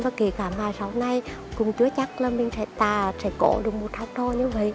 và kể cả mà sau này cũng chưa chắc là mình sẽ cố được một tháng thôi như vậy